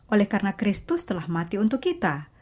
oleh karena kristus telah mati untuk kita